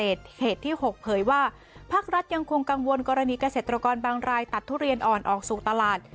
ที่๖เผยว่าภาครัฐยังคงกังวลกรณีเกษตรกรบางรายตัดทุเรียนอ่อนออกสู่ตลาด